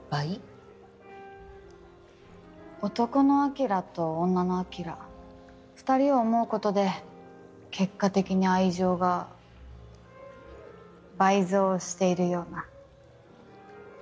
男の晶と女の晶２人を思うことで結果的に愛情が倍増しているような。